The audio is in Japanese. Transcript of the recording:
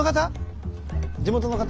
地元の方？